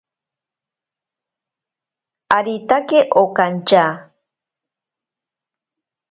Aritake okantya.